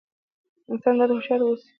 انسان بايد هوښيار ووسي